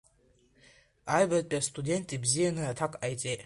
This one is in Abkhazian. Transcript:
Аҩбатәи астудент ибзианы аҭак ҟаиҵеит.